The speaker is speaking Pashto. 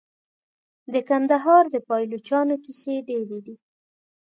د کندهار د پایلوچانو کیسې ډیرې دي.